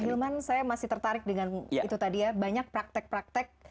hilman saya masih tertarik dengan itu tadi ya banyak praktek praktek